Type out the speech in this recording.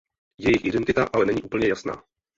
Jejich identita ale není úplně jasná.